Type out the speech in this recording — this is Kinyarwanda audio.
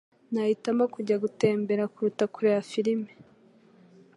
Nahitamo kujya gutembera kuruta kureba firime.